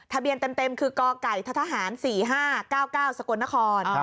ทะเบียนเต็มคือกไก่ททหาร๔๕๙๙สกลนคร